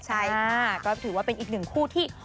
ใช่ค่ะก็ถือว่าเป็นอีกหนึ่งคู่ที่